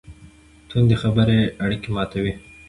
توندې خبرې اړیکې ماتوي.